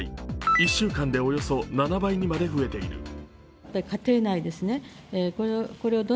１週間でおよそ７倍にまで増えている。